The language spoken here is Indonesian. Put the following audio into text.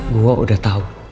gue udah tau